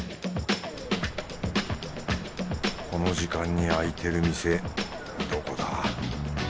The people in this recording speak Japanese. この時間に開いてる店どこだ？